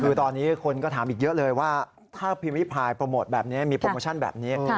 คือตอนนี้คนก็ถามอีกเยอะเลยว่าถ้าพิมพิพายโปรโมทแบบนี้มีโปรโมชั่นแบบนี้